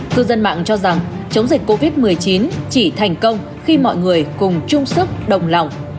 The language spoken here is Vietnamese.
cư dân mạng cho rằng chống dịch covid một mươi chín chỉ thành công khi mọi người cùng chung sức đồng lòng